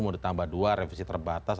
mau ditambah dua revisi terbatas